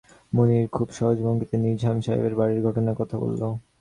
মুনির খুব সহজ ভঙ্গিতে নিজাম সাহেবের বাড়ির ঘটনার কথা বলল।